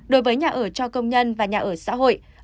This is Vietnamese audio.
đối với nhà ở cho công nhân và nhà ở xã hội